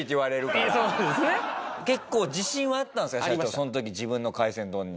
その時自分の海鮮丼に。